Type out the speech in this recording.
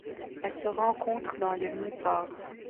Elle se rencontre dans les monts Pare.